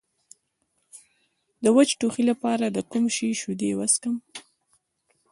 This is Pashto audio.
د وچ ټوخي لپاره د کوم شي شیدې وڅښم؟